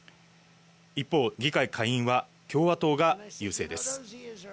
一方、議会下院は共和党が優勢です。